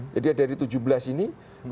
jadi dari tujuh belas ini